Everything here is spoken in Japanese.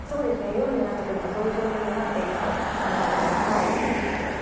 夜になってくると、そういう状況になっていくと考えてください。